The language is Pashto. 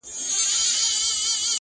• په رباب کي بم او زیر را سره خاندي,